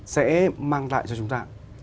sẽ mang lại cho chúng ta